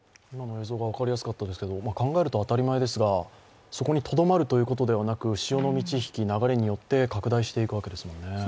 考えると当たり前ですが、そこにとどまるということではなく潮の満ち引き、流れによって拡大していくわけですもんね。